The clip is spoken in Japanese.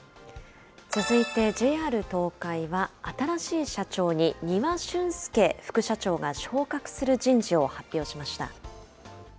続いてＪＲ東海は、新しい社長に丹羽俊介副社長が昇格する人事を発表しました。